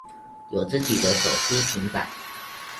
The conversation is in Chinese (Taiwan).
有自己的手機平板